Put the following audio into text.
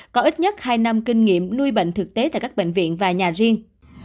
có ít nhất hai năm kinh nghiệm nuôi bệnh thực tế tại các bệnh viện và nhà riêng